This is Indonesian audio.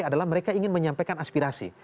adalah mereka ingin menyampaikan aspirasi